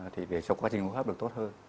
thì để cho quá trình hô hấp được tốt hơn